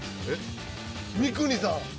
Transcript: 三國さん！